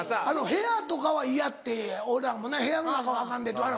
部屋とかは嫌っておいらもね部屋の中はアカンでって。